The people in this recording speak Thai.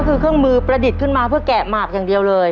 ก็คือเครื่องมือประดิษฐ์ขึ้นมาเพื่อแกะหมากอย่างเดียวเลย